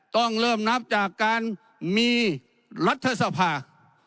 ต้องเริ่มนับจากการมีรัฐสภา